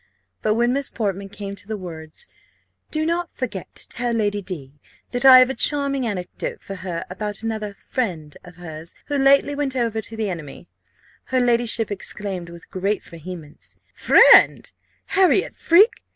But when Miss Portman came to the words, "Do not forget to tell Lady D , that I have a charming anecdote for her about another friend of hers, who lately went over to the enemy," her ladyship exclaimed with great vehemence, "Friend! Harriot Freke!